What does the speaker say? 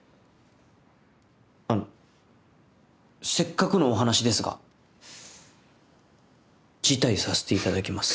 あのせっかくのお話ですが辞退させていただきます。